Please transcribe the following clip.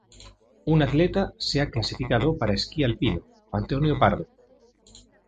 Un atletas se han clasificado para esquí alpino: Antonio Pardo.